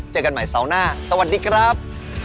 เจอกันใหม่เสาร์หน้าสวัสดีครับ